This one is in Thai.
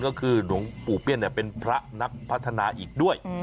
ก็คือหลวงปู่เปี้ยนเป็นพระนักพัฒนาอีกด้วย